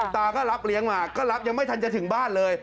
ตาก็รับเลี้ยงมาก็รับยังไม่ทันจะถึงบ้านเลย